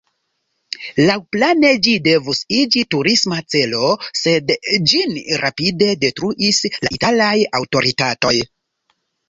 Laŭplane ĝi devus iĝi turisma celo, sed ĝin rapide detruis la italaj aŭtoritatoj.